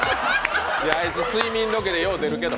睡眠ロケでよう出るけど。